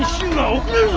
遅れるぞ！